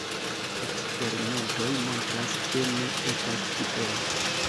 Eksperimentoj montras ke ne estas tiel.